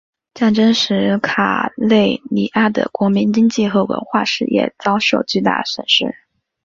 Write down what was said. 战争使卡累利阿的国民经济和文化事业遭受巨大损失。